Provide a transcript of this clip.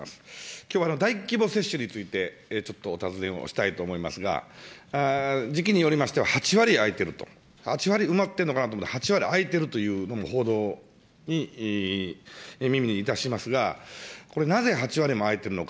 きょうは大規模接種について、ちょっとお尋ねをしたいと思いますが、時期によりましては８割空いてると、８割埋まってるのかなと思ったら、８割空いてるという報道を耳にいたしますが、これ、なぜ８割も空いてるのか。